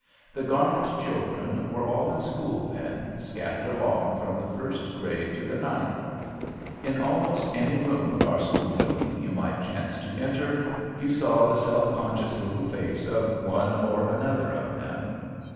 The Garnet children were all in school then, scattered along from the first grade to the ninth. In almost any room of our school building you might chance to enter, you saw the self conscious little face of one or another of them.